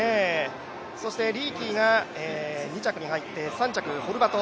そしてリーキーが２着に入って、３着、ホルバト。